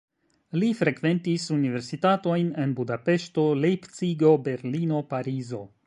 Li frekventis universitatojn en Budapeŝto, Lejpcigo, Berlino, Parizo.